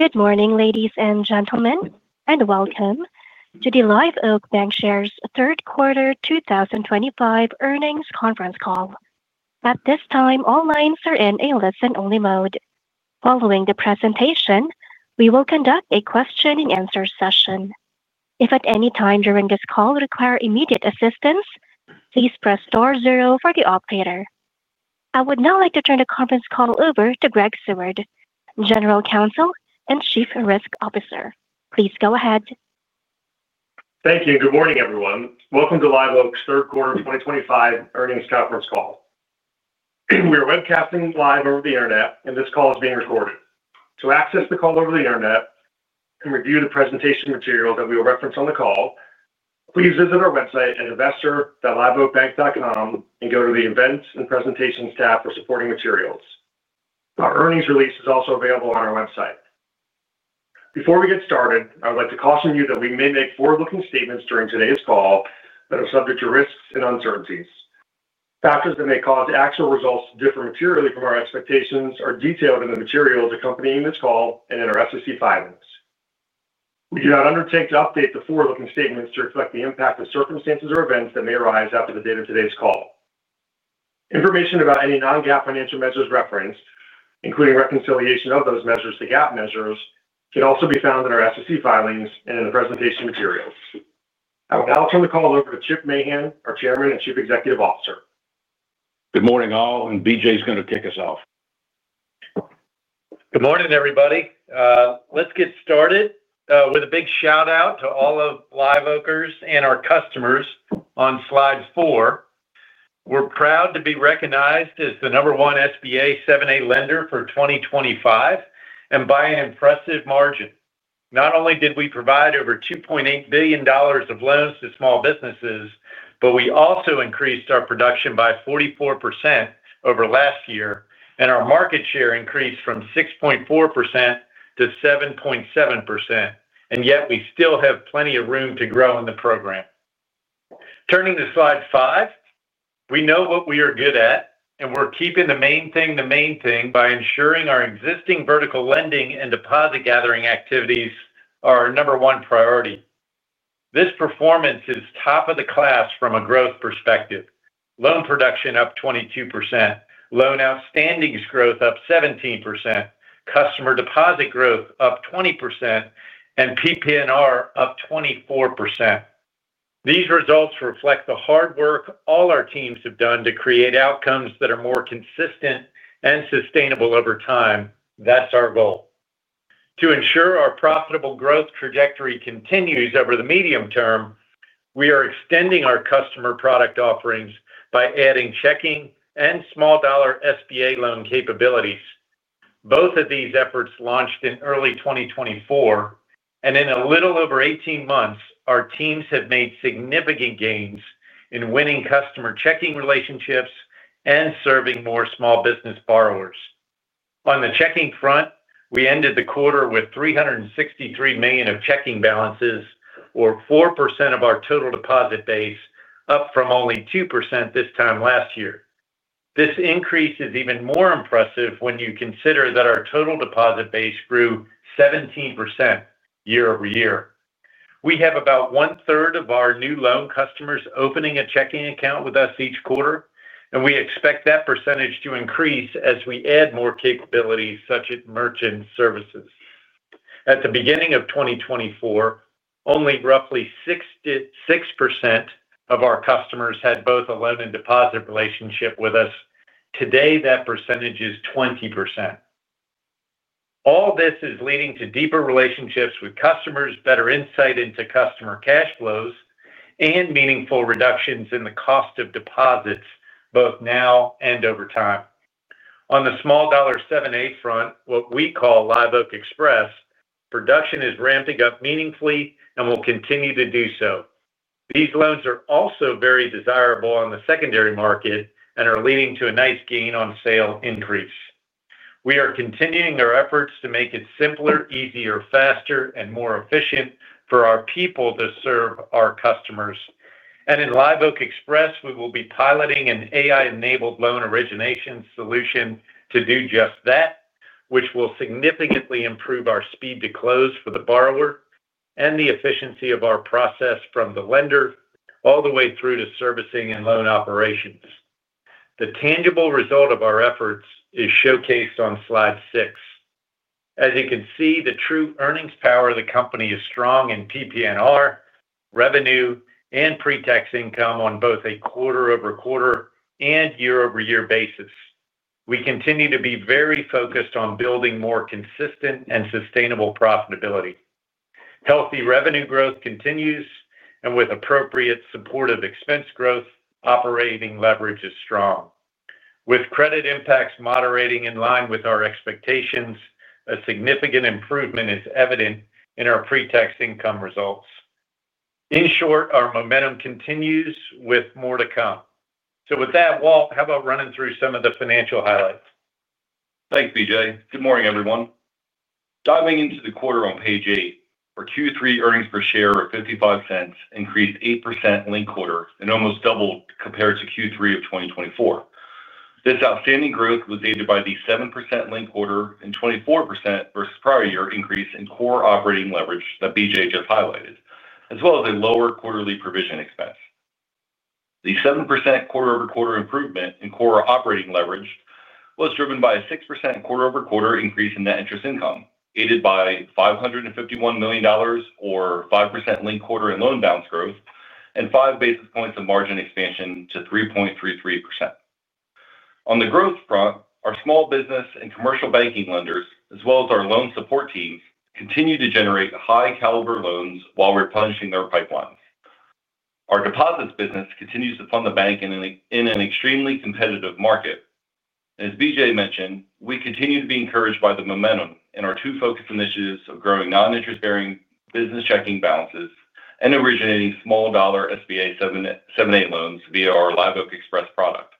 Good morning, ladies and gentlemen, and welcome to the Live Oak Bancshares third quarter 2025 earnings conference call. At this time, all lines are in a listen-only mode. Following the presentation, we will conduct a question-and-answer session. If at any time during this call you require immediate assistance, please press star zero for the operator. I would now like to turn the conference call over to Greg Seward, General Counsel and Chief Risk Officer. Please go ahead. Thank you. Good morning, everyone. Welcome to Live Oak's third quarter 2025 earnings conference call. We are webcasting live over the internet, and this call is being recorded. To access the call over the internet and review the presentation materials that we will reference on the call, please visit our website at investor.liveoakbank.com and go to the Events and Presentations tab for supporting materials. Our earnings release is also available on our website. Before we get started, I would like to caution you that we may make forward-looking statements during today's call that are subject to risks and uncertainties. Factors that may cause actual results to differ materially from our expectations are detailed in the materials accompanying this call and in our SEC filings. We do not undertake to update the forward-looking statements to reflect the impact of circumstances or events that may arise after the date of today's call. Information about any non-GAAP financial measures referenced, including reconciliation of those measures to GAAP measures, can also be found in our SEC filings and in the presentation materials. I will now turn the call over to Chip Mahan, our Chairman and Chief Executive Officer. Good morning all, and BJ is going to kick us off. Good morning, everybody. Let's get started with a big shout out to all of Live Oakers and our customers on slide four. We're proud to be recognized as the number one SBA 7(a) lender for 2025 and by an impressive margin. Not only did we provide over $2.8 billion of loans to small businesses, but we also increased our production by 44% over last year, and our market share increased from 6.4% to 7.7%. Yet we still have plenty of room to grow in the program. Turning to slide five, we know what we are good at, and we're keeping the main thing the main thing by ensuring our existing vertical lending and deposit gathering activities are our number one priority. This performance is top of the class from a growth perspective. Loan production up 22%, loan outstandings growth up 17%, customer deposit growth up 20%, and PPNR up 24%. These results reflect the hard work all our teams have done to create outcomes that are more consistent and sustainable over time. That's our goal. To ensure our profitable growth trajectory continues over the medium term, we are extending our customer product offerings by adding checking and small dollar SBA loan capabilities. Both of these efforts launched in early 2024, and in a little over 18 months, our teams have made significant gains in winning customer checking relationships and serving more small business borrowers. On the checking front, we ended the quarter with $363 million of checking balances, or 4% of our total deposit base, up from only 2% this time last year. This increase is even more impressive when you consider that our total deposit base grew 17% year-over-year. We have about one third of our new loan customers opening a checking account with us each quarter, and we expect that percentage to increase as we add more capabilities such as merchant services. At the beginning of 2024, only roughly 6% of our customers had both a loan and deposit relationship with us. Today, that percentage is 20%. All this is leading to deeper relationships with customers, better insight into customer cash flows, and meaningful reductions in the cost of deposits, both now and over time. On the small dollar 7(a) front, what we call Live Oak Express, production is ramping up meaningfully and will continue to do so. These loans are also very desirable on the secondary market and are leading to a nice gain on sale increase. We are continuing our efforts to make it simpler, easier, faster, and more efficient for our people to serve our customers. In Live Oak Express, we will be piloting an AI-enabled loan origination solution to do just that, which will significantly improve our speed to close for the borrower and the efficiency of our process from the lender all the way through to servicing and loan operations. The tangible result of our efforts is showcased on slide six. As you can see, the true earnings power of the company is strong in PPNR, revenue, and pretax income on both a quarter over quarter and year-over-year basis. We continue to be very focused on building more consistent and sustainable profitability. Healthy revenue growth continues, and with appropriate supportive expense growth, operating leverage is strong. With credit impacts moderating in line with our expectations, a significant improvement is evident in our pretax income results. In short, our momentum continues with more to come. Walt, how about running through some of the financial highlights? Thanks, BJ. Good morning, everyone. Diving into the quarter on page eight, our Q3 earnings per share of $0.55 increased 8% in the quarter and almost doubled compared to Q3 of 2024. This outstanding growth was aided by the 7% link quarter and 24% versus prior year increase in core operating leverage that BJ just highlighted, as well as a lower quarterly provision expense. The 7% quarter over quarter improvement in core operating leverage was driven by a 6% quarter over quarter increase in net interest income, aided by $551 million or 5% link quarter in loan balance growth and five basis points of margin expansion to 3.33%. On the growth front, our small business and commercial banking lenders, as well as our loan support teams, continue to generate high caliber loans while replenishing their pipelines. Our deposits business continues to fund the bank in an extremely competitive market. As BJ mentioned, we continue to be encouraged by the momentum in our two focus initiatives of growing non-interest-bearing business checking balances and originating small dollar SBA 7(a) loans via our Live Oak Express product.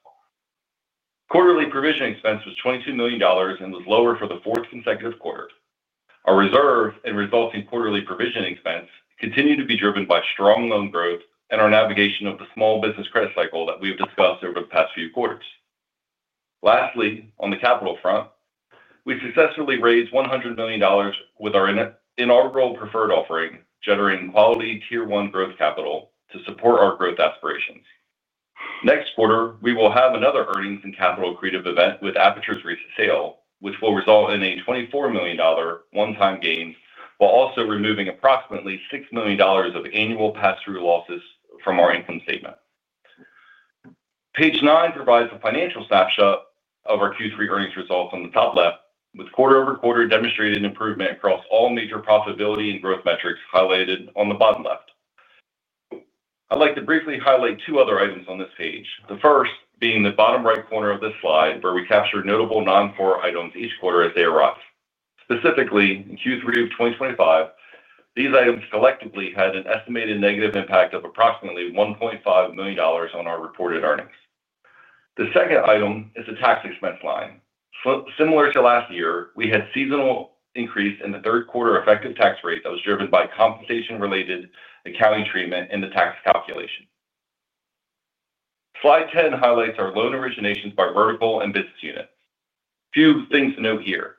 Quarterly provision expense was $22 million and was lower for the fourth consecutive quarter. Our reserve and resulting quarterly provision expense continue to be driven by strong loan growth and our navigation of the small business credit cycle that we have discussed over the past few quarters. Lastly, on the capital front, we successfully raised $100 million with our inaugural preferred offering, generating quality tier one growth capital to support our growth aspirations. Next quarter, we will have another earnings and capital accretive event with Aperture's recent sale, which will result in a $24 million one-time gain while also removing approximately $6 million of annual pass-through losses from our income statement. Page nine provides a financial snapshot of our Q3 earnings results on the top left, with quarter over quarter demonstrated improvement across all major profitability and growth metrics highlighted on the bottom left. I'd like to briefly highlight two other items on this page, the first being the bottom right corner of this slide where we capture notable non-core items each quarter as they arise. Specifically, in Q3 of 2025, these items collectively had an estimated negative impact of approximately $1.5 million on our reported earnings. The second item is the tax expense line. Similar to last year, we had a seasonal increase in the third quarter effective tax rate that was driven by compensation-related accounting treatment in the tax calculation. Slide 10 highlights our loan originations by vertical and business units. A few things to note here.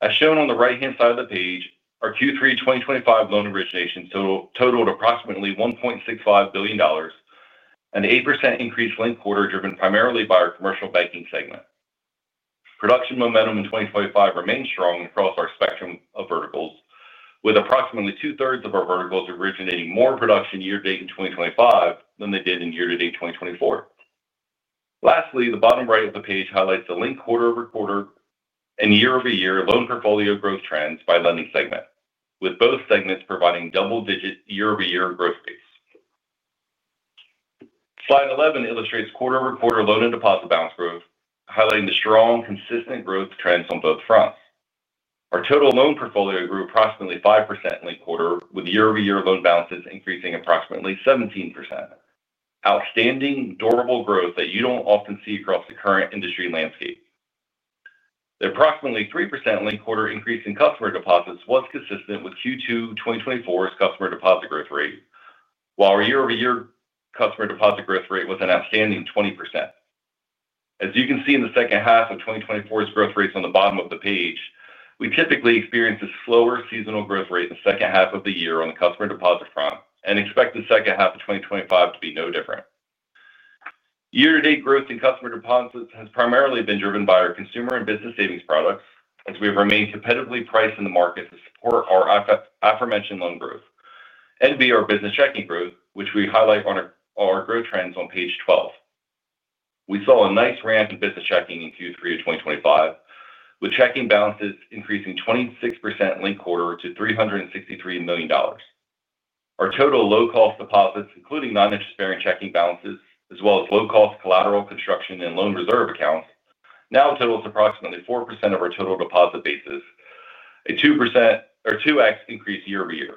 As shown on the right-hand side of the page, our Q3 2025 loan origination totaled approximately $1.65 billion and an 8% increase link quarter driven primarily by our commercial banking segment. Production momentum in 2025 remains strong across our spectrum of verticals, with approximately two thirds of our verticals originating more production year to date in 2025 than they did in year to date 2024. Lastly, the bottom right of the page highlights the link quarter over quarter and year-over-year loan portfolio growth trends by lending segment, with both segments providing double-digit year-over-year growth rates. Slide 11 illustrates quarter over quarter loan and deposit balance growth, highlighting the strong, consistent growth trends on both fronts. Our total loan portfolio grew approximately 5% in the quarter, with year-over-year loan balances increasing approximately 17%. Outstanding, durable growth that you don't often see across the current industry landscape. The approximately 3% link quarter increase in customer deposits was consistent with Q2 2024's customer deposit growth rate, while our year-over-year customer deposit growth rate was an outstanding 20%. As you can see in the second half of 2024's growth rates on the bottom of the page, we typically experience a slower seasonal growth rate in the second half of the year on the customer deposit front, and expect the second half of 2025 to be no different. Year to date growth in customer deposits has primarily been driven by our consumer and business savings products, as we have remained competitively priced in the market to support our aforementioned loan growth and be our business checking growth, which we highlight on our growth trends on page 12. We saw a nice ramp in business checking in Q3 of 2025, with checking balances increasing 26% link quarter to $363 million. Our total low-cost deposits, including non-interest-bearing checking balances, as well as low-cost collateral construction and loan reserve accounts, now total approximately 4% of our total deposit basis, a 2% or 2x increase year-over-year.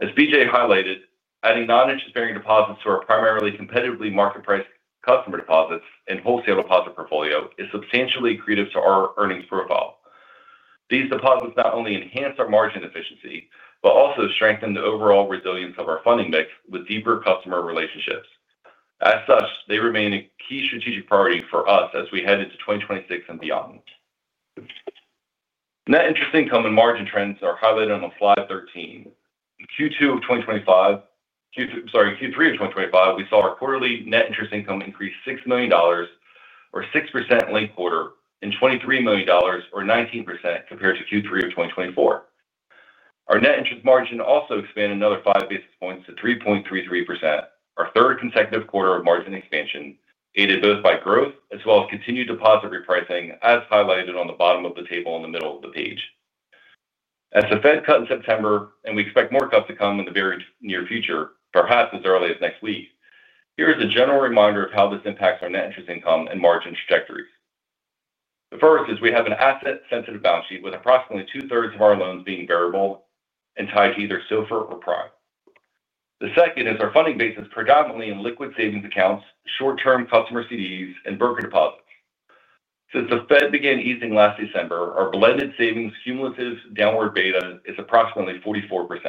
As BJ highlighted, adding non-interest-bearing deposits to our primarily competitively market-priced customer deposits and wholesale deposit portfolio is substantially accretive to our earnings profile. These deposits not only enhance our margin efficiency, but also strengthen the overall resilience of our funding mix with deeper customer relationships. As such, they remain a key strategic priority for us as we head into 2026 and beyond. Net interest income and margin trends are highlighted on slide 13. In Q2 of 2025, sorry, Q3 of 2025, we saw our quarterly net interest income increase $6 million, or 6% link quarter, and $23 million, or 19% compared to Q3 of 2024. Our net interest margin also expanded another five basis points to 3.33%. Our third consecutive quarter of margin expansion aided both by growth as well as continued deposit repricing, as highlighted on the bottom of the table in the middle of the page. As the Fed cut in September, and we expect more cuts to come in the very near future, perhaps as early as next week, here is a general reminder of how this impacts our net interest income and margin trajectories. The first is we have an asset-sensitive balance sheet with approximately two thirds of our loans being variable and tied to either SOFR or PRIME. The second is our funding basis predominantly in liquid savings accounts, short-term customer CDs, and broker deposits. Since the Fed began easing last December, our blended savings cumulative downward beta is approximately 44%.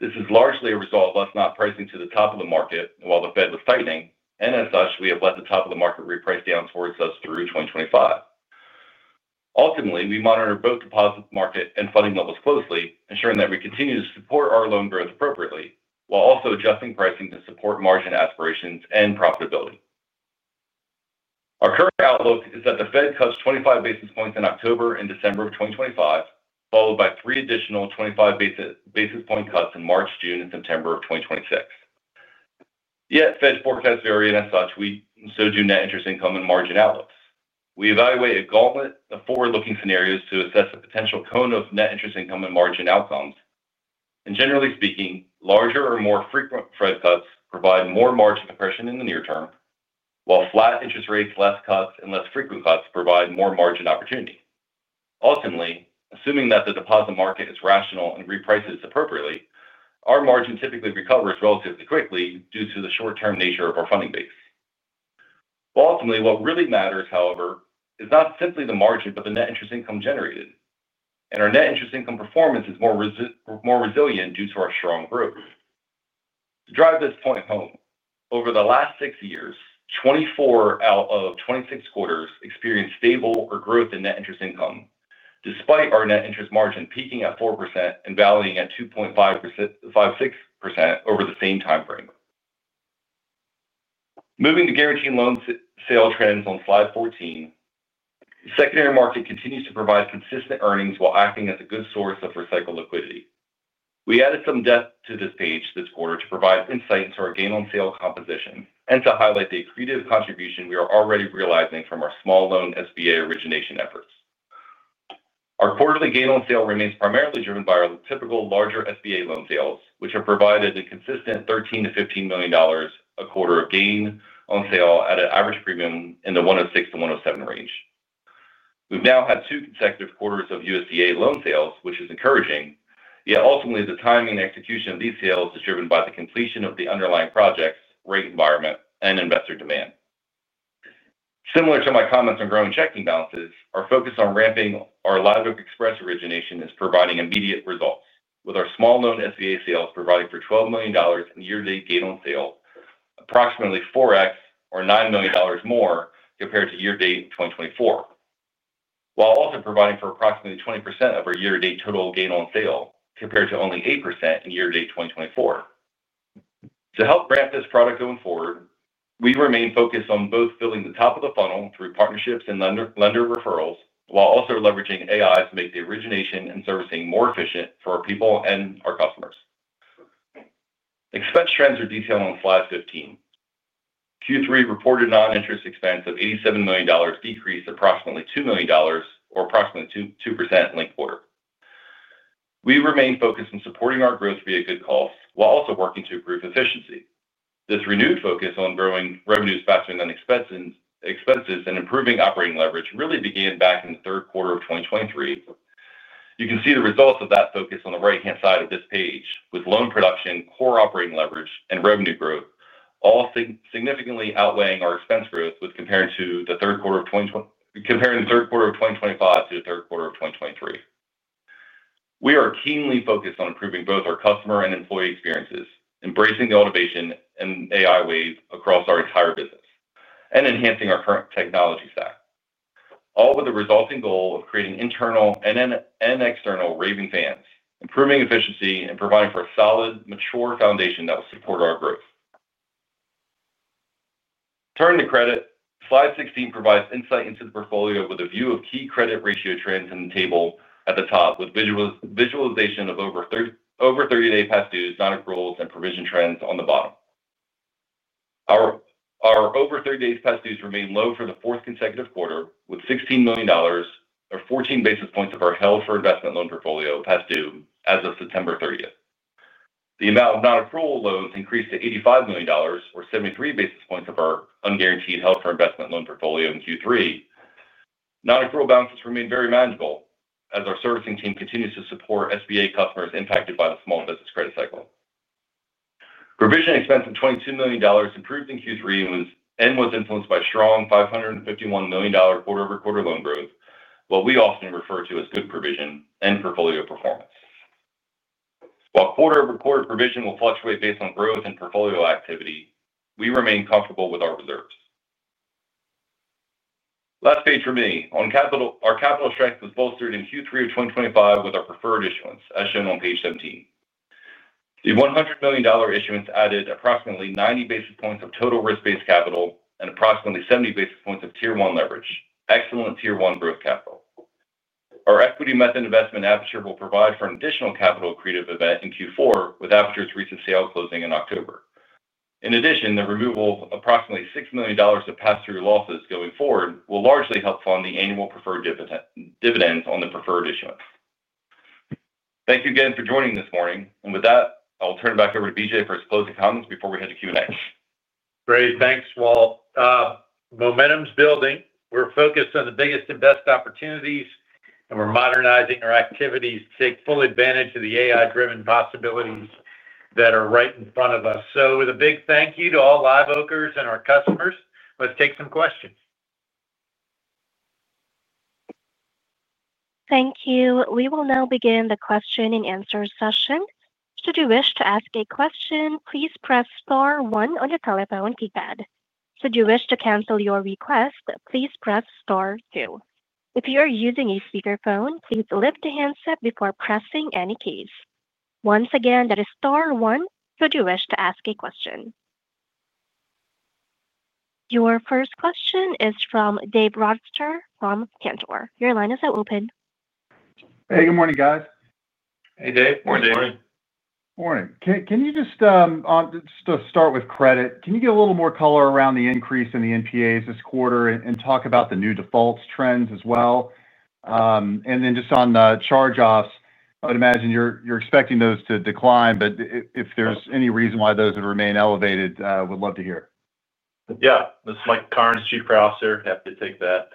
This is largely a result of us not pricing to the top of the market while the Fed was tightening, and as such, we have let the top of the market reprice down towards us through 2025. Ultimately, we monitor both deposit market and funding levels closely, ensuring that we continue to support our loan growth appropriately while also adjusting pricing to support margin aspirations and profitability. Our current outlook is that the Fed cuts 25 basis points in October and December of 2025, followed by three additional 25 basis point cuts in March, June, and September of 2026. Yet Fed forecasts vary, and as such, so do net interest income and margin outlooks. We evaluate a gauntlet of forward-looking scenarios to assess the potential cone of net interest income and margin outcomes. Generally speaking, larger or more frequent Fed cuts provide more margin depression in the near term, while flat interest rates, less cuts, and less frequent cuts provide more margin opportunity. Ultimately, assuming that the deposit market is rational and reprices appropriately, our margin typically recovers relatively quickly due to the short-term nature of our funding base. What really matters, however, is not simply the margin, but the net interest income generated. Our net interest income performance is more resilient due to our strong growth. To drive this point home, over the last six years, 24 out of 26 quarters experienced stable or growth in net interest income, despite our net interest margin peaking at 4% and valuing at 2.56% over the same timeframe. Moving to guaranteed loan sale trends on slide 14, the secondary market continues to provide consistent earnings while acting as a good source of recycled liquidity. We added some depth to this page this quarter to provide insight into our gain on sale composition and to highlight the accretive contribution we are already realizing from our small loan SBA origination efforts. Our quarterly gain on sale remains primarily driven by our typical larger SBA loan sales, which have provided a consistent $13 million-$15 million a quarter of gain on sale at an average premium in the $106-$107 range. We've now had two consecutive quarters of USDA loan sales, which is encouraging. Yet ultimately, the timing and execution of these sales is driven by the completion of the underlying projects, rate environment, and investor demand. Similar to my comments on growing checking balances, our focus on ramping our Live Oak Express origination is providing immediate results, with our small loan SBA sales providing for $12 million in year-to-date gain on sale, approximately 4x or $9 million more compared to year-to-date 2024, while also providing for approximately 20% of our year-to-date total gain on sale compared to only 8% in year-to-date 2024. To help ramp this product going forward, we remain focused on both filling the top of the funnel through partnerships and lender referrals, while also leveraging AI to make the origination and servicing more efficient for our people and our customers. Expense trends are detailed on slide 15. Q3 reported non-interest expense of $87 million decreased approximately $2 million, or approximately 2% link quarter. We remain focused on supporting our growth via good calls, while also working to improve efficiency. This renewed focus on growing revenues faster than expenses and improving operating leverage really began back in the third quarter of 2023. You can see the results of that focus on the right-hand side of this page, with loan production, core operating leverage, and revenue growth all significantly outweighing our expense growth when comparing the third quarter of 2025 to the third quarter of 2023. We are keenly focused on improving both our customer and employee experiences, embracing the automation and AI wave across our entire business, and enhancing our current technology stack, all with the resulting goal of creating internal and external raving fans, improving efficiency, and providing for a solid, mature foundation that will support our growth. Turning to credit, slide 16 provides insight into the portfolio with a view of key credit ratio trends in the table at the top, with visualization of over 30-day past dues, non-accruals, and provision trends on the bottom. Our over 30 days past dues remain low for the fourth consecutive quarter, with $16 million or 14 basis points of our held for investment loan portfolio past due as of September 30th. The amount of non-accrual loans increased to $85 million or 73 basis points of our unguaranteed held for investment loan portfolio in Q3. Non-accrual balances remain very manageable as our servicing team continues to support SBA customers impacted by the small business credit cycle. Provision expense of $22 million improved in Q3 and was influenced by strong $551 million quarter over quarter loan growth, what we often refer to as good provision and portfolio performance. While quarter over quarter provision will fluctuate based on growth and portfolio activity, we remain comfortable with our reserves. Last page for me. Our capital strength was bolstered in Q3 of 2025 with our preferred issuance, as shown on page 17. The $100 million issuance added approximately 90 basis points of total risk-based capital and approximately 70 basis points of tier one leverage, excellent tier one growth capital. Our equity method investment Aperture will provide for an additional capital creative event in Q4 with Aperture's recent sale closing in October. In addition, the removal of approximately $6 million of pass-through losses going forward will largely help fund the annual preferred dividends on the preferred issuance. Thank you again for joining this morning. With that, I'll turn it back over to BJ for his closing comments before we head to Q&A. Great, thanks, Walt. Momentum's building. We're focused on the biggest and best opportunities, and we're modernizing our activities to take full advantage of the AI-driven possibilities that are right in front of us. With a big thank you to all Live Oakers and our customers, let's take some questions. Thank you. We will now begin the question-and-answer session. Should you wish to ask a question, please press star one on your telephone keypad. Should you wish to cancel your request, please press star two. If you are using a speakerphone, please lift your handset before pressing any keys. Once again, that is star one should you wish to ask a question. Your first question is from Dave Rochester from Cantor. Your line is now open. Hey, good morning, guys. Hey, Dave. Morning. Morning. Morning. Can you, just to start with credit, get a little more color around the increase in the NPAs this quarter and talk about the new defaults trends as well? On the charge-offs, I would imagine you're expecting those to decline, but if there's any reason why those would remain elevated, I would love to hear. Yeah. This is Michael Cairns, Chief Credit Officer. Happy to take that.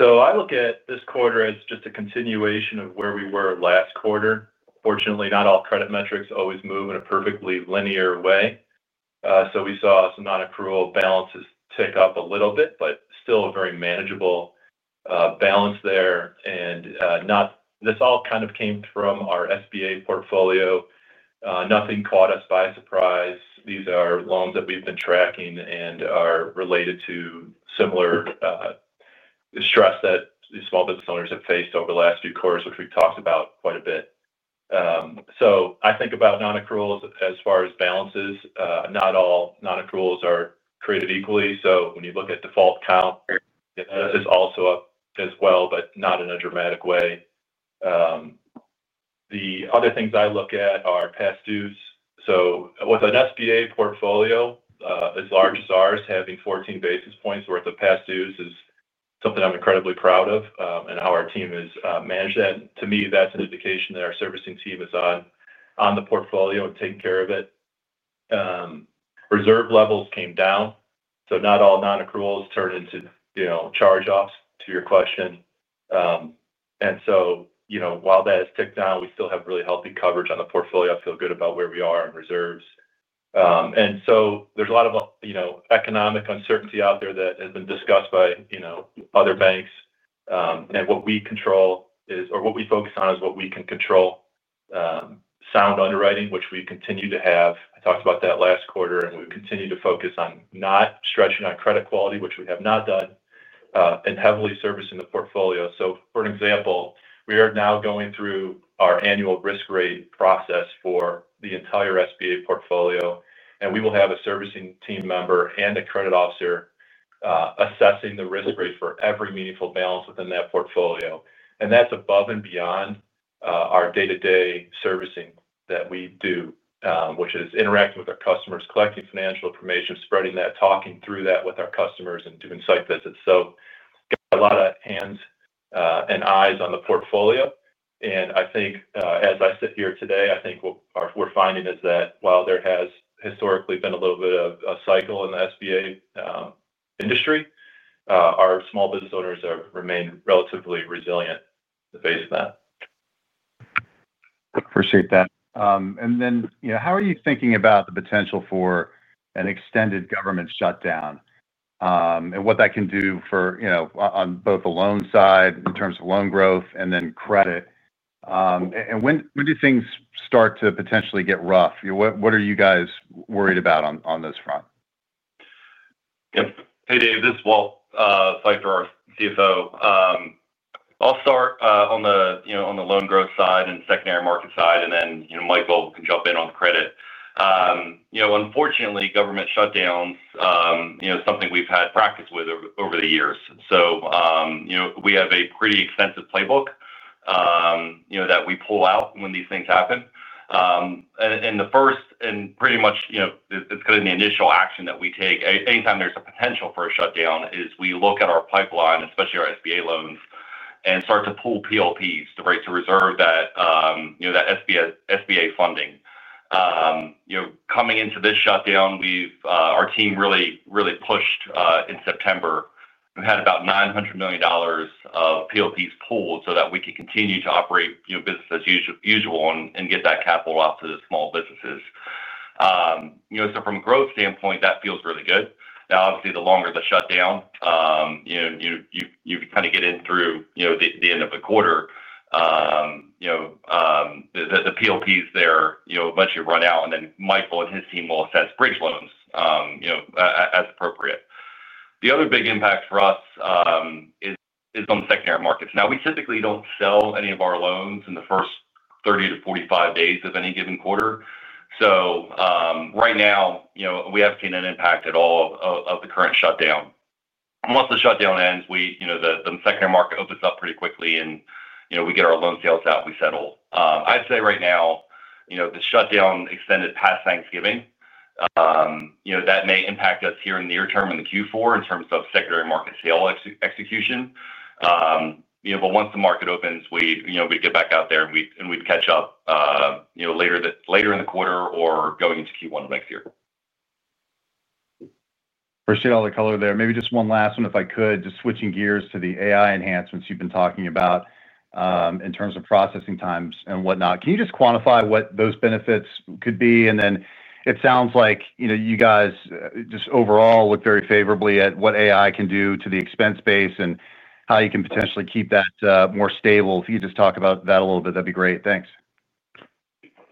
I look at this quarter as just a continuation of where we were last quarter. Fortunately, not all credit metrics always move in a perfectly linear way. We saw some non-accrual balances tick up a little bit, but still a very manageable balance there. This all kind of came from our SBA portfolio. Nothing caught us by surprise. These are loans that we've been tracking and are related to similar stress that the small business owners have faced over the last few quarters, which we've talked about quite a bit. I think about non-accruals as far as balances. Not all non-accruals are created equally. When you look at default count, this is also up as well, but not in a dramatic way. The other things I look at are past dues. With an SBA portfolio as large as ours, having 14 basis points worth of past dues is something I'm incredibly proud of, and how our team has managed that. To me, that's an indication that our servicing team is on the portfolio and taking care of it. Reserve levels came down. Not all non-accruals turn into, you know, charge-offs to your question. While that has ticked down, we still have really healthy coverage on the portfolio. I feel good about where we are in reserves. There's a lot of economic uncertainty out there that has been discussed by other banks. What we control is, or what we focus on is what we can control: sound underwriting, which we continue to have. I talked about that last quarter, and we continue to focus on not stretching our credit quality, which we have not done, and heavily servicing the portfolio. For an example, we are now going through our annual risk rate process for the entire SBA portfolio, and we will have a servicing team member and a credit officer assessing the risk rate for every meaningful balance within that portfolio. That's above and beyond our day-to-day servicing that we do, which is interacting with our customers, collecting financial information, spreading that, talking through that with our customers, and doing site visits. We've got a lot of hands and eyes on the portfolio. As I sit here today, I think what we're finding is that while there has historically been a little bit of a cycle in the SBA industry, our small business owners have remained relatively resilient in the face of that. Appreciate that. How are you thinking about the potential for an extended government shutdown, and what that can do for, you know, on both the loan side in terms of loan growth and then credit? When do things start to potentially get rough? You know, what are you guys worried about on this front? Yep. Hey, Dave. This is Walter Phifer, our CFO. I'll start on the loan growth side and secondary market side, and then Michael can jump in on the credit. Unfortunately, government shutdowns are something we've had practice with over the years. We have a pretty extensive playbook that we pull out when these things happen. The first and pretty much the initial action that we take anytime there's a potential for a shutdown is we look at our pipeline, especially our SBA loans, and start to pull PLPs, the rates of reserve that SBA funding. Coming into this shutdown, our team really, really pushed in September. We had about $900 million of PLPs pooled so that we could continue to operate business as usual and get that capital out to the small businesses. From a growth standpoint, that feels really good. Obviously, the longer the shutdown, you kind of get in through the end of the quarter, the PLPs there eventually run out, and then Michael and his team will assess bridge loans as appropriate. The other big impact for us is on secondary markets. We typically don't sell any of our loans in the first 30 to 45 days of any given quarter. Right now, we haven't seen an impact at all of the current shutdown. Once the shutdown ends, the secondary market opens up pretty quickly, and we get our loan sales out, and we settle. I'd say right now, if the shutdown extended past Thanksgiving, that may impact us here in the near term in Q4 in terms of secondary market sale execution. Once the market opens, we would get back out there, and we'd catch up later in the quarter or going into Q1 of next year. Appreciate all the color there. Maybe just one last one, if I could, just switching gears to the AI enhancements you've been talking about, in terms of processing times and whatnot. Can you just quantify what those benefits could be? It sounds like you guys just overall look very favorably at what AI can do to the expense base and how you can potentially keep that more stable. If you could just talk about that a little bit, that'd be great. Thanks.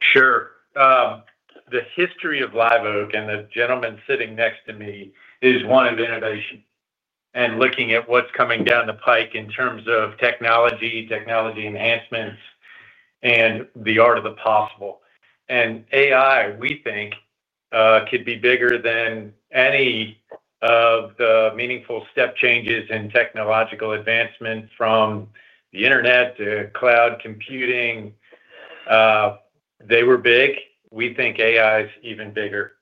Sure. The history of Live Oak and the gentleman sitting next to me is one of innovation and looking at what's coming down the pike in terms of technology, technology enhancements, and the art of the possible. AI, we think, could be bigger than any of the meaningful step changes in technological advancement from the internet to cloud computing. They were big. We think AI is even bigger.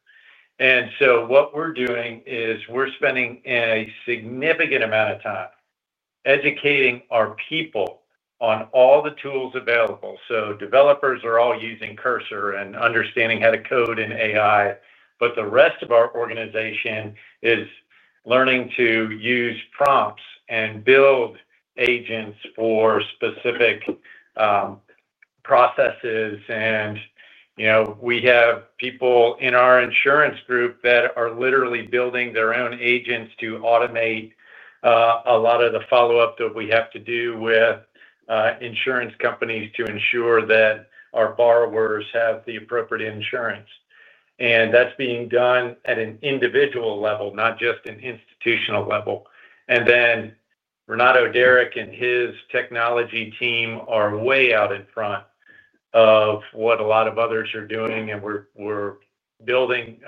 What we're doing is we're spending a significant amount of time educating our people on all the tools available. Developers are all using Cursor and understanding how to code in AI, but the rest of our organization is learning to use prompts and build agents for specific processes. We have people in our insurance group that are literally building their own agents to automate a lot of the follow-up that we have to do with insurance companies to ensure that our borrowers have the appropriate insurance. That's being done at an individual level, not just an institutional level. Renato Derraik and his technology team are way out in front of what a lot of others are doing, and we're building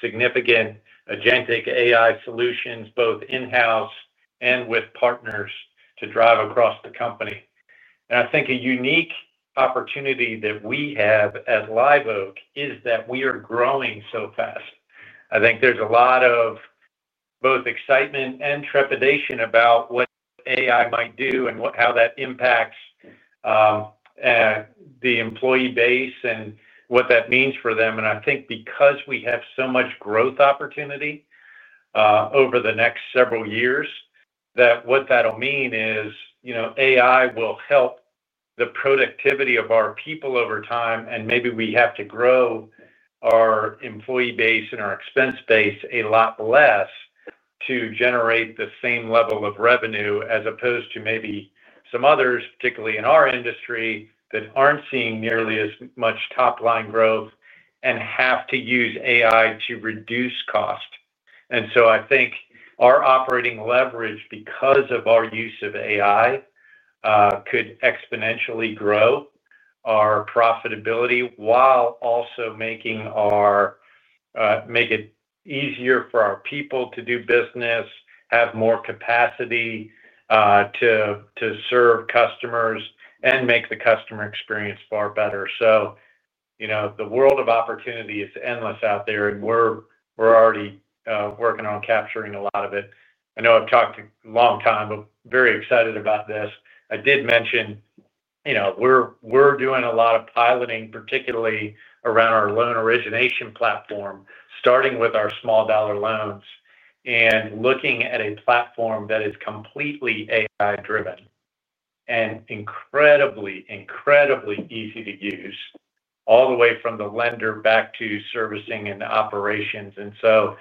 significant agentic AI solutions both in-house and with partners to drive across the company. I think a unique opportunity that we have at Live Oak is that we are growing so fast. I think there's a lot of both excitement and trepidation about what AI might do and how that impacts the employee base and what that means for them. I think because we have so much growth opportunity over the next several years, what that'll mean is AI will help the productivity of our people over time, and maybe we have to grow our employee base and our expense base a lot less to generate the same level of revenue as opposed to maybe some others, particularly in our industry, that aren't seeing nearly as much top-line growth and have to use AI to reduce cost. I think our operating leverage because of our use of AI could exponentially grow our profitability while also making it easier for our people to do business, have more capacity to serve customers, and make the customer experience far better. The world of opportunity is endless out there, and we're already working on capturing a lot of it. I know I've talked a long time, but very excited about this. I did mention we're doing a lot of piloting, particularly around our loan origination platform, starting with our small dollar loans and looking at a platform that is completely AI-driven and incredibly, incredibly easy to use, all the way from the lender back to servicing and operations. A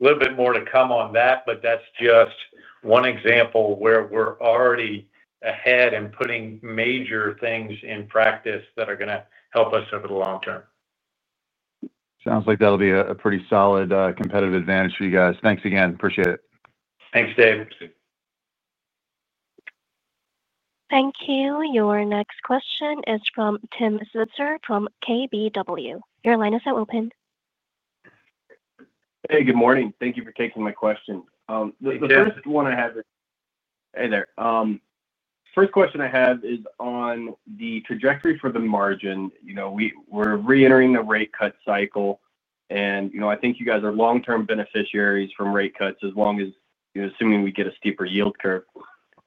little bit more to come on that, but that's just one example where we're already ahead and putting major things in practice that are going to help us over the long term. Sounds like that'll be a pretty solid competitive advantage for you guys. Thanks again. Appreciate it. Thanks, Dave. Thank you. Your next question is from Tim Switzer from KBW. Your line is now open. Good morning. Thank you for taking my question. The first question I have is on the trajectory for the margin. We're reentering the rate cut cycle, and I think you guys are long-term beneficiaries from rate cuts as long as, assuming we get a steeper yield curve.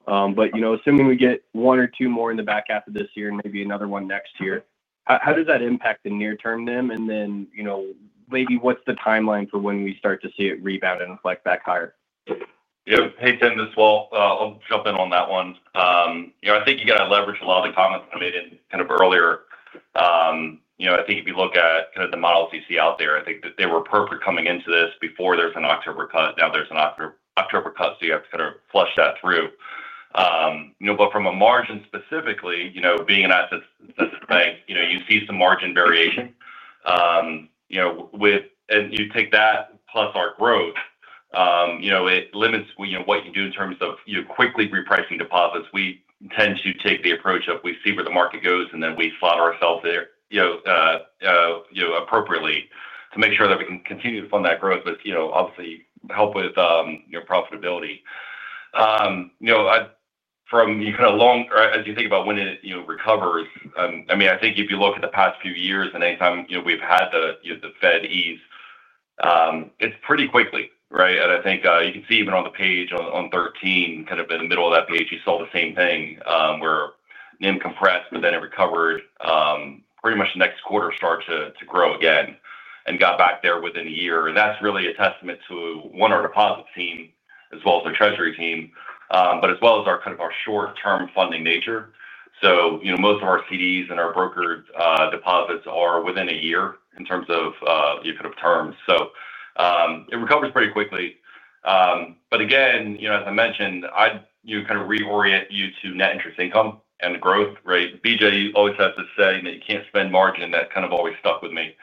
Assuming we get one or two more in the back half of this year and maybe another one next year, how does that impact the near term? Maybe what's the timeline for when we start to see it rebound and reflect back higher? Yep. Hey, Tim. This is Walt. I'll jump in on that one. I think you got to leverage a lot of the comments I made earlier. I think if you look at the models you see out there, I think that they were appropriate coming into this before there's an October cut. Now there's an October cut, so you have to flush that through. From a margin specifically, being an asset-sensitive bank, you see some margin variation. You take that plus our growth, it limits what you do in terms of quickly repricing deposits. We tend to take the approach of we see where the market goes, and then we slot ourselves there appropriately to make sure that we can continue to fund that growth, but obviously help with profitability. As you think about when it recovers, I think if you look at the past few years and anytime we've had the Fed ease, it's pretty quickly, right? I think you can see even on the page on 13, in the middle of that page, you saw the same thing where net interest margin compressed, but then it recovered pretty much next quarter, started to grow again, and got back there within a year. That's really a testament to, one, our deposit team, as well as our treasury team, but as well as our short-term funding nature. Most of our CDs and our brokered deposits are within a year in terms of terms. It recovers pretty quickly. Again, as I mentioned, I reorient you to net interest income and growth, right? BJ always has this saying that you can't spend margin. That kind of always stuck with me.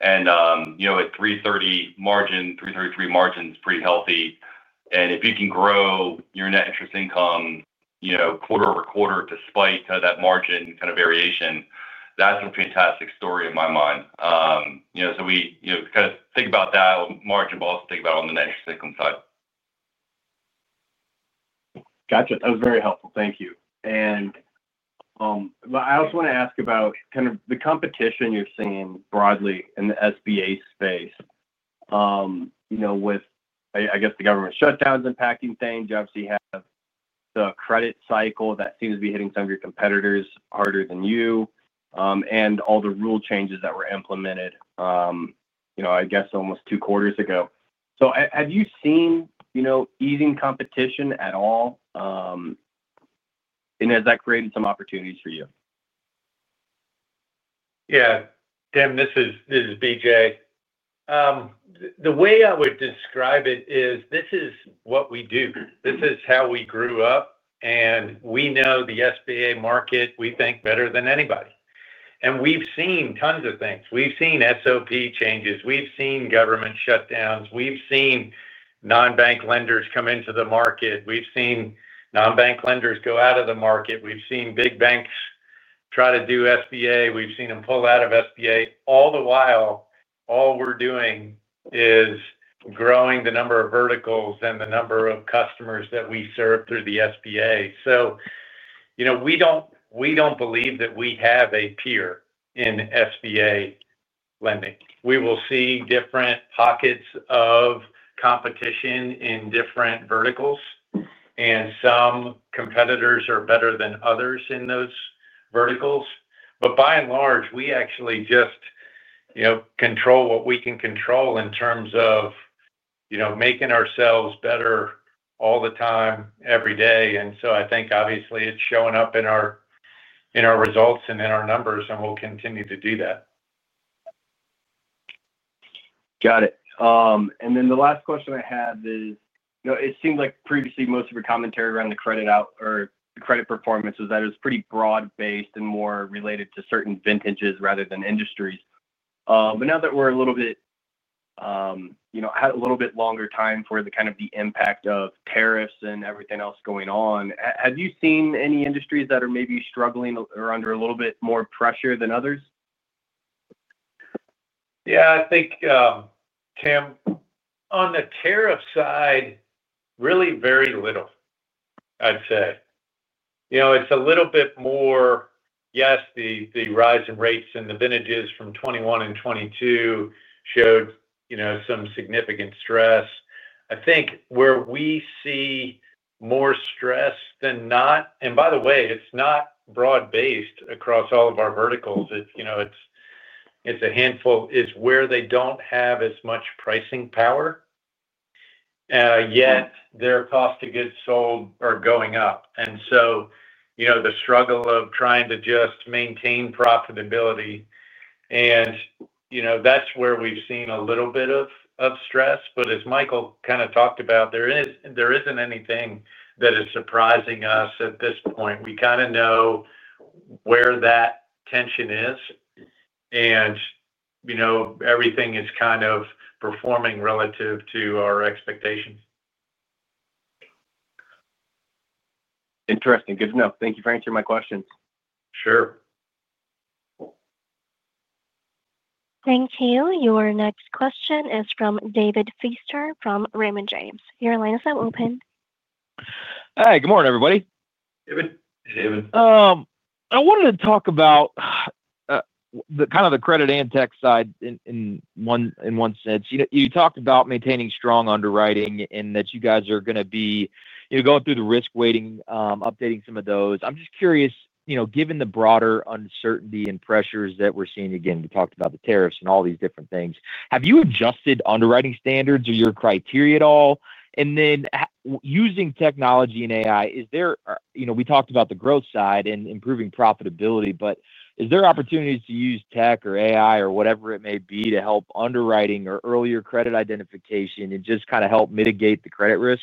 At 330 margin, 333 margin is pretty healthy. If you can grow your net interest income quarter over quarter, despite that margin variation, that's a fantastic story in my mind. We think about that on margin, but also think about it on the net interest income side. Gotcha. That was very helpful. Thank you. I also want to ask about kind of the competition you're seeing broadly in the SBA space. You know, with, I guess, the government shutdowns impacting things. You obviously have the credit cycle that seems to be hitting some of your competitors harder than you, and all the rule changes that were implemented, I guess almost two quarters ago. Have you seen easing competition at all, and has that created some opportunities for you? Yeah. Tim, this is BJ. The way I would describe it is this is what we do. This is how we grew up, and we know the SBA market, we think, better than anybody. We've seen tons of things. We've seen SOP changes, government shutdowns, non-bank lenders come into the market, and non-bank lenders go out of the market. We've seen big banks try to do SBA, and we've seen them pull out of SBA. All the while, all we're doing is growing the number of verticals and the number of customers that we serve through the SBA. We don't believe that we have a peer in SBA lending. We will see different pockets of competition in different verticals, and some competitors are better than others in those verticals. By and large, we actually just control what we can control in terms of making ourselves better all the time, every day. I think, obviously, it's showing up in our results and in our numbers, and we'll continue to do that. Got it. The last question I have is, you know, it seemed like previously most of your commentary around the credit out or the credit performance was that it was pretty broad-based and more related to certain vintages rather than industries. Now that we're a little bit, you know, had a little bit longer time for the kind of the impact of tariffs and everything else going on, have you seen any industries that are maybe struggling or under a little bit more pressure than others? Yeah, I think, Tim, on the tariff side, really very little, I'd say. It's a little bit more, yes, the rise in rates in the vintages from 2021 and 2022 showed some significant stress. I think where we see more stress than not, and by the way, it's not broad-based across all of our verticals, it's a handful where they don't have as much pricing power, yet their cost of goods sold are going up. The struggle of trying to just maintain profitability is where we've seen a little bit of stress. As Michael kind of talked about, there isn't anything that is surprising us at this point. We kind of know where that tension is, and everything is kind of performing relative to our expectations. Interesting. Good to know. Thank you for answering my questions. Sure. Thank you. Your next question is from David Feaster from Raymond James & Associates. Your line is now open. Hi. Good morning, everybody. David. Hey, David. I wanted to talk about the credit and tech side in one sense. You talked about maintaining strong underwriting and that you guys are going to be going through the risk weighting, updating some of those. I'm just curious, given the broader uncertainty and pressures that we're seeing, we talked about the tariffs and all these different things. Have you adjusted underwriting standards or your criteria at all? Using technology and AI, we talked about the growth side and improving profitability, but is there opportunity to use tech or AI or whatever it may be to help underwriting or earlier credit identification and help mitigate the credit risk?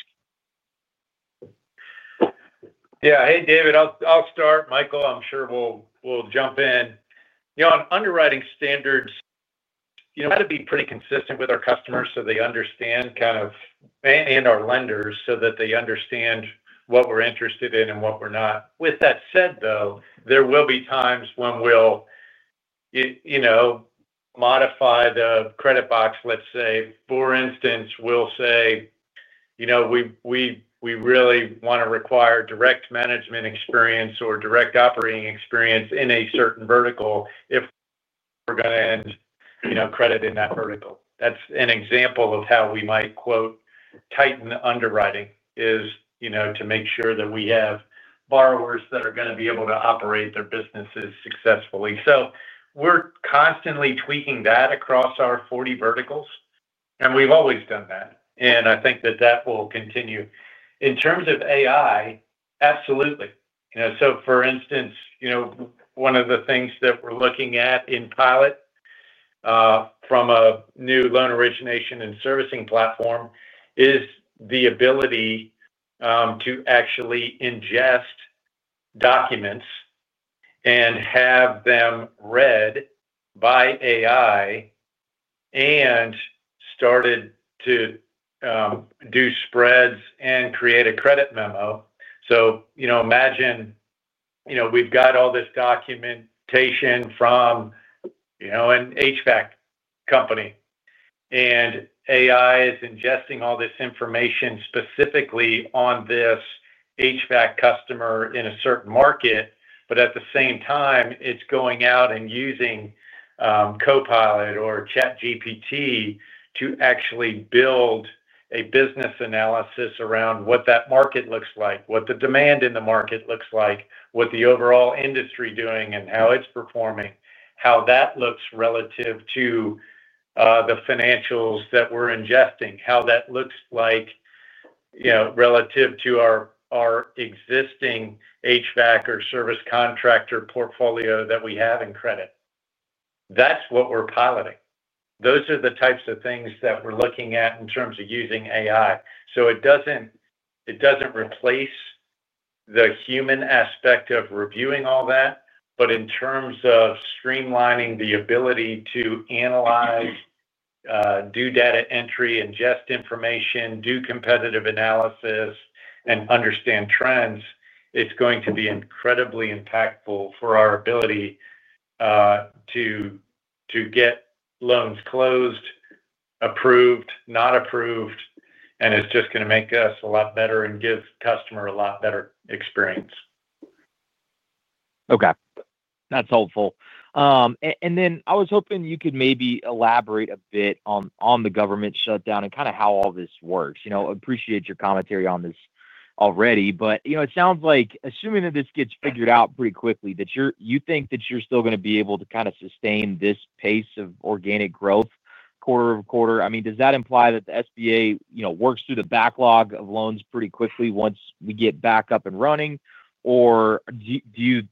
Yeah. Hey, David. I'll start. Michael, I'm sure we'll jump in. On underwriting standards, we try to be pretty consistent with our customers so they understand, and our lenders so that they understand what we're interested in and what we're not. With that said, there will be times when we'll modify the credit box, let's say. For instance, we'll say we really want to require direct management experience or direct operating experience in a certain vertical if we're going to end credit in that vertical. That's an example of how we might, quote, "tighten underwriting," to make sure that we have borrowers that are going to be able to operate their businesses successfully. We're constantly tweaking that across our 40 verticals, and we've always done that. I think that will continue. In terms of AI, absolutely. For instance, one of the things that we're looking at in pilot, from a new loan origination and servicing platform, is the ability to actually ingest documents and have them read by AI and start to do spreads and create a credit memo. Imagine we've got all this documentation from an HVAC company, and AI is ingesting all this information specifically on this HVAC customer in a certain market. At the same time, it's going out and using Copilot or ChatGPT to actually build a business analysis around what that market looks like, what the demand in the market looks like, what the overall industry is doing, and how it's performing, how that looks relative to the financials that we're ingesting, how that looks relative to our existing HVAC or service contractor portfolio that we have in credit. That's what we're piloting. Those are the types of things that we're looking at in terms of using AI. It doesn't replace the human aspect of reviewing all that, but in terms of streamlining the ability to analyze, do data entry, ingest information, do competitive analysis, and understand trends, it's going to be incredibly impactful for our ability to get loans closed, approved, not approved, and it's just going to make us a lot better and give the customer a lot better experience. Okay. That's helpful. I was hoping you could maybe elaborate a bit on the government shutdown and kind of how all this works. I appreciate your commentary on this already, but it sounds like assuming that this gets figured out pretty quickly, you think that you're still going to be able to kind of sustain this pace of organic growth quarter over quarter. I mean, does that imply that the SBA works through the backlog of loans pretty quickly once we get back up and running? Do you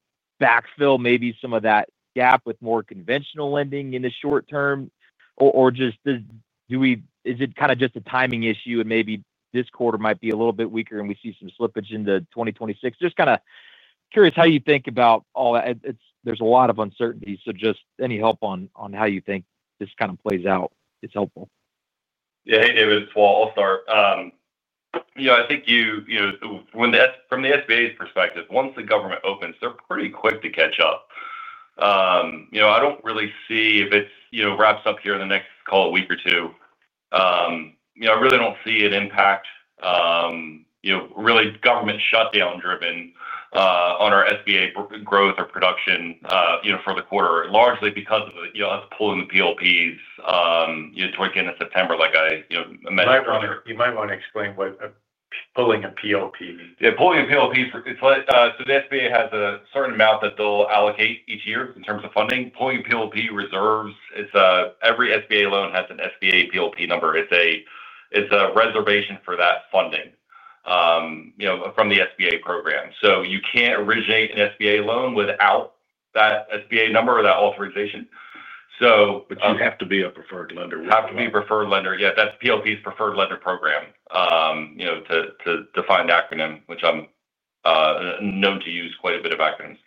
backfill maybe some of that gap with more conventional lending in the short term? Or is it kind of just a timing issue and maybe this quarter might be a little bit weaker and we see some slippage into 2026? Just kind of curious how you think about all that. There's a lot of uncertainty, so any help on how you think this kind of plays out is helpful. Yeah. Hey, David. I'll start. I think you know, from the SBA's perspective, once the government opens, they're pretty quick to catch up. I don't really see if it wraps up here in the next, call it, a week or two. I really don't see an impact, really government shutdown-driven, on our SBA growth or production for the quarter, largely because of us pulling the PLPs toward the end of September, like I mentioned earlier. You might want to explain what pulling a PLP means. Yeah. Pulling a PLP, it's like, the SBA has a certain amount that they'll allocate each year in terms of funding. Pulling a PLP reserves, every SBA loan has an SBA PLP number. It's a reservation for that funding from the SBA program. You can't originate an SBA loan without that SBA number or that authorization. You have to be a preferred lender. Have to be a preferred lender. Yeah. Preferred Lender Program, you know, to define the acronym, which I'm known to use quite a bit of acronyms.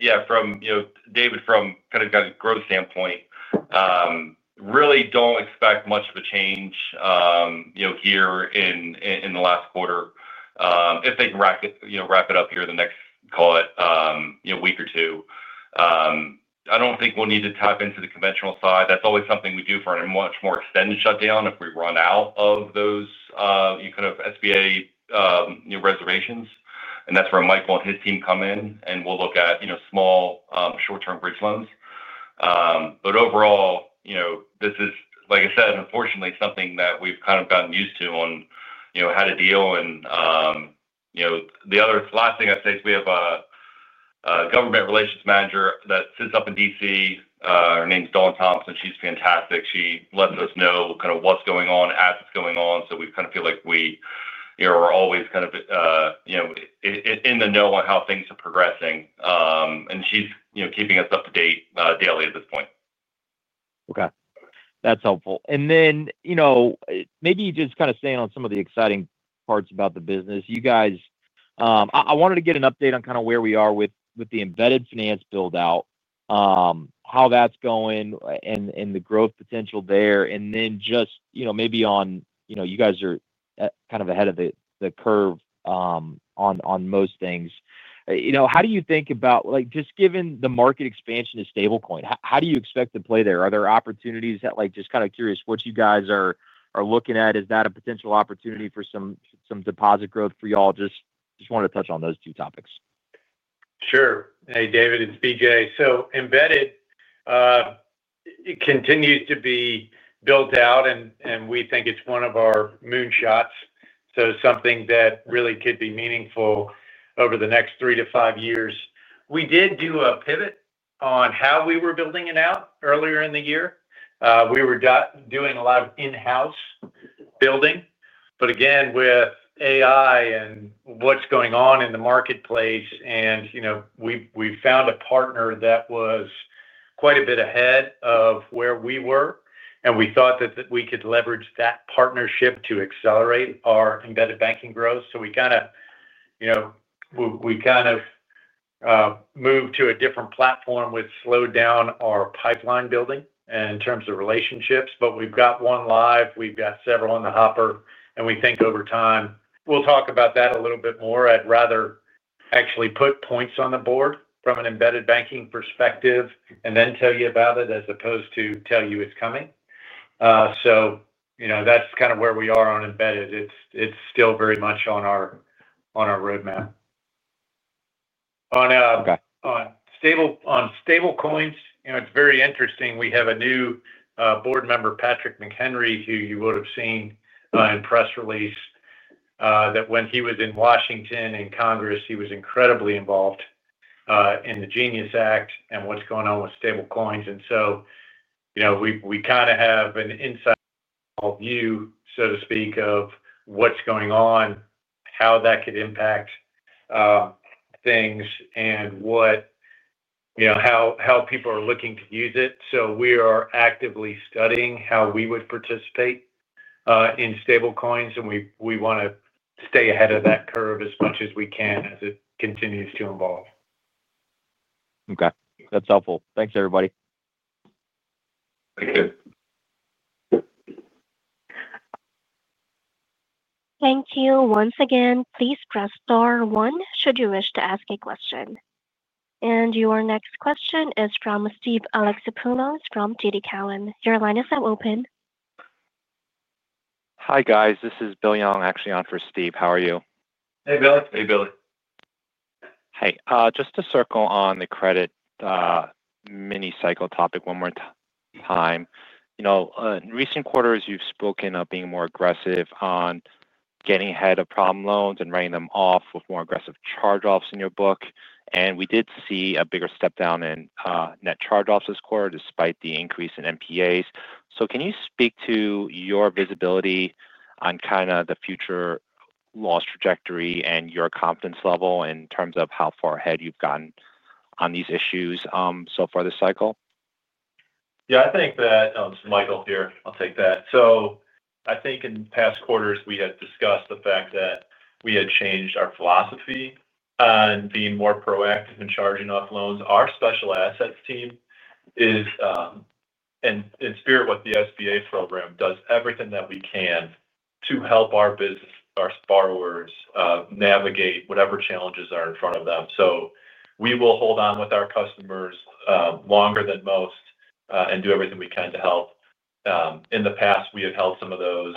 Yeah, from, you know, David, from kind of a growth standpoint, really don't expect much of a change, you know, here in the last quarter. If they can wrap it up here in the next, call it, you know, week or two, I don't think we'll need to tap into the conventional side. That's always something we do for a much more extended shutdown if we run out of those, you kind of SBA, you know, reservations. That's where Michael and his team come in, and we'll look at, you know, small, short-term bridge loans. Overall, you know, this is, like I said, unfortunately, something that we've kind of gotten used to on, you know, how to deal. The other last thing I say is we have a Government Relations Manager that sits up in D.C. Her name's Dawn Thompson. She's fantastic. She lets us know kind of what's going on as it's going on. We kind of feel like we, you know, are always kind of, you know, in the know on how things are progressing, and she's, you know, keeping us up to date, daily at this point. Okay. That's helpful. Maybe just kind of staying on some of the exciting parts about the business, I wanted to get an update on where we are with the embedded finance build-out, how that's going, and the growth potential there. Maybe on, you know, you guys are kind of ahead of the curve on most things. How do you think about, like, just given the market expansion to stablecoin, how do you expect to play there? Are there opportunities? Just kind of curious what you guys are looking at. Is that a potential opportunity for some deposit growth for y'all? Just wanted to touch on those two topics. Sure. Hey, David. It's BJ. Embedded continues to be built out, and we think it's one of our moonshots, something that really could be meaningful over the next three to five years. We did do a pivot on how we were building it out earlier in the year. We were doing a lot of in-house building. With AI and what's going on in the marketplace, we found a partner that was quite a bit ahead of where we were, and we thought that we could leverage that partnership to accelerate our embedded banking growth. We kind of moved to a different platform. We've slowed down our pipeline building in terms of relationships, but we've got one live, we've got several on the hopper, and we think over time, we'll talk about that a little bit more. I'd rather actually put points on the board from an embedded banking perspective and then tell you about it as opposed to tell you it's coming. That's kind of where we are on embedded. It's still very much on our roadmap. On stablecoins, it's very interesting. We have a new board member, Patrick McHenry, who you would have seen in the press release, that when he was in Washington in Congress, he was incredibly involved in the GENIUS Act and what's going on with stablecoins. We kind of have an inside view, so to speak, of what's going on, how that could impact things, and how people are looking to use it. We are actively studying how we would participate in stablecoins, and we want to stay ahead of that curve as much as we can as it continues to evolve. Okay, that's helpful. Thanks, everybody. Thank you. Thank you. Once again, please press star one should you wish to ask a question. Your next question is from Steve Alexopoulos from TD Cowen. Your line is now open. Hi, guys. This is Bill Young, actually on for Steve. How are you? Hey, Billy. Hey, Billy. Hey, just to circle on the credit mini-cycle topic one more time. In recent quarters, you've spoken of being more aggressive on getting ahead of problem loans and writing them off with more aggressive charge-offs in your book. We did see a bigger step down in net charge-offs this quarter despite the increase in NPAs. Can you speak to your visibility on the future loss trajectory and your confidence level in terms of how far ahead you've gotten on these issues so far this cycle? Yeah, I think that, this is Michael here. I'll take that. I think in past quarters, we had discussed the fact that we had changed our philosophy on being more proactive in charging off loans. Our Special Assets team is, and in spirit with the SBA program, does everything that we can to help our business, our borrowers, navigate whatever challenges are in front of them. We will hold on with our customers longer than most, and do everything we can to help. In the past, we have held some of those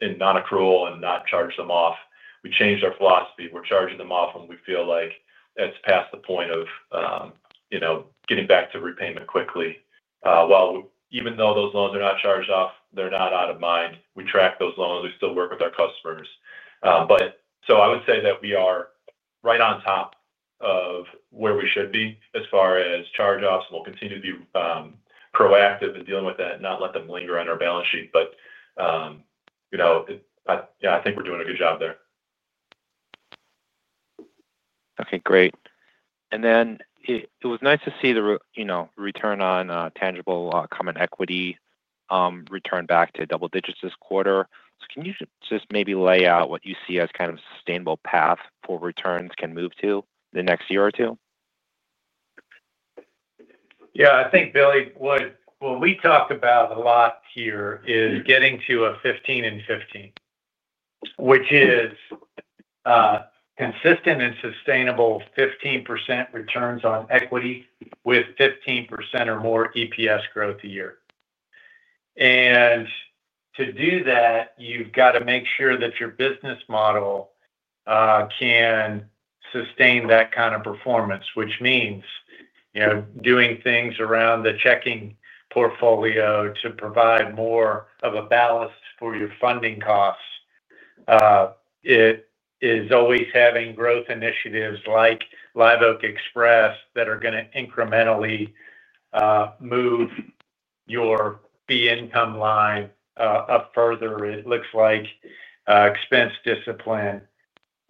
in non-accrual and not charged them off. We changed our philosophy. We're charging them off when we feel like it's past the point of, you know, getting back to repayment quickly. Even though those loans are not charged off, they're not out of mind. We track those loans. We still work with our customers. I would say that we are right on top of where we should be as far as charge-offs, and we'll continue to be proactive in dealing with that and not let them linger on our balance sheet. I think we're doing a good job there. Okay. Great. It was nice to see the, you know, return on tangible outcome and equity return back to double digits this quarter. Can you just maybe lay out what you see as kind of a sustainable path for returns can move to in the next year or two? Yeah, I think Billy would. What we talked about a lot here is getting to a 15 and 15, which is consistent and sustainable 15% returns on equity with 15% or more EPS growth a year. To do that, you've got to make sure that your business model can sustain that kind of performance, which means doing things around the checking accounts portfolio to provide more of a ballast for your funding costs. It is always having growth initiatives like Live Oak Express that are going to incrementally move your B income line up further. It looks like expense discipline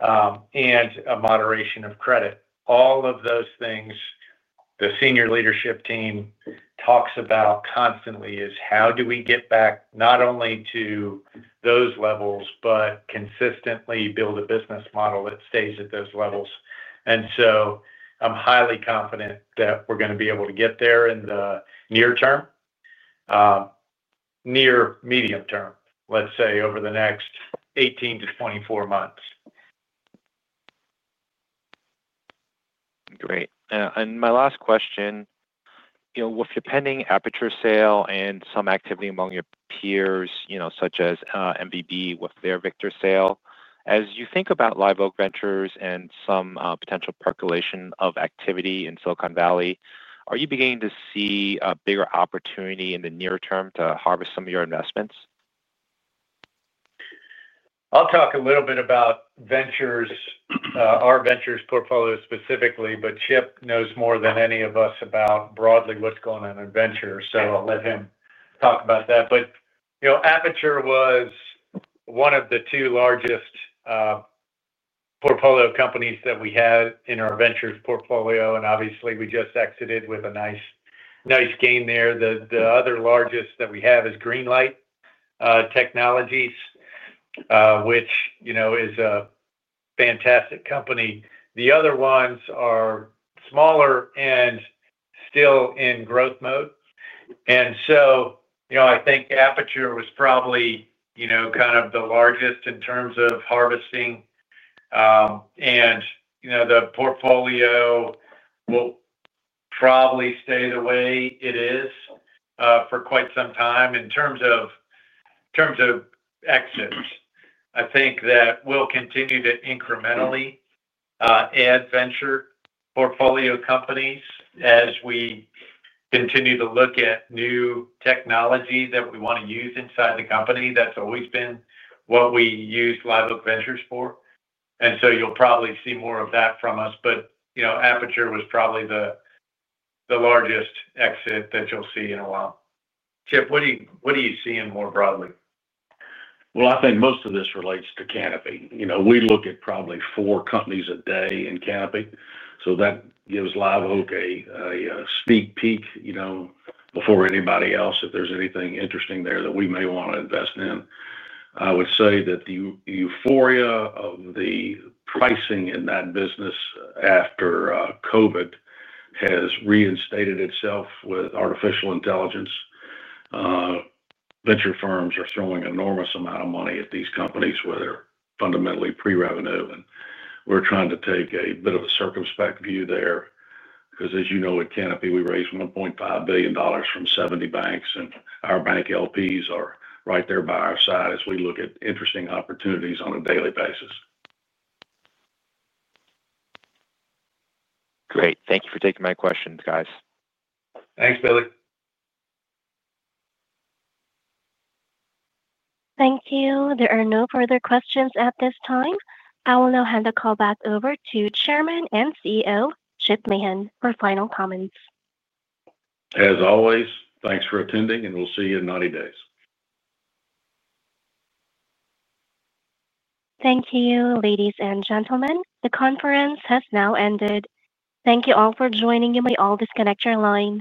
and a moderation of credit. All of those things the senior leadership team talks about constantly is how do we get back not only to those levels, but consistently build a business model that stays at those levels. I'm highly confident that we're going to be able to get there in the near term, near medium term, let's say over the next 18 to 24 months. Great. My last question, with your pending Aperture sale and some activity among your peers, such as MVB with their Victor sale, as you think about Live Oak Ventures and some potential percolation of activity in Silicon Valley, are you beginning to see a bigger opportunity in the near term to harvest some of your investments? I'll talk a little bit about Ventures, our Ventures portfolio specifically, but Chip knows more than any of us about broadly what's going on in Ventures. I'll let him talk about that. You know, Aperture was one of the two largest portfolio companies that we had in our Ventures portfolio, and obviously, we just exited with a nice, nice gain there. The other largest that we have Greenlight Technologies, which is a fantastic company. The other ones are smaller and still in growth mode. I think Aperture was probably kind of the largest in terms of harvesting. The portfolio will probably stay the way it is for quite some time in terms of exits. I think that we'll continue to incrementally add Venture portfolio companies as we continue to look at new technology that we want to use inside the company. That's always been what we use Live Oak Ventures for, and you'll probably see more of that from us. Aperture was probably the largest exit that you'll see in a while. Chip, what do you see more broadly? I think most of this relates to Canopy. You know, we look at probably four companies a day in Canopy. That gives Live Oak a sneak peek, you know, before anybody else, if there's anything interesting there that we may want to invest in. I would say that the euphoria of the pricing in that business after COVID has reinstated itself with artificial intelligence. Venture firms are throwing an enormous amount of money at these companies where they're fundamentally pre-revenue. We're trying to take a bit of a circumspect view there because, as you know, at Canopy, we raised $1.5 billion from 70 banks, and our bank LPs are right there by our side as we look at interesting opportunities on a daily basis. Great. Thank you for taking my questions, guys. Thanks, Billy. Thank you. There are no further questions at this time. I will now hand the call back over to Chairman and CEO Chip Mahan for final comments. As always, thanks for attending, and we'll see you in 90 days. Thank you, ladies and gentlemen. The conference has now ended. Thank you all for joining. You may all disconnect your lines.